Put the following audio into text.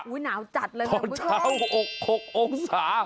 อุ๊ยหนาวจัดเลยคุณผู้ชมพอเช้า๖องศา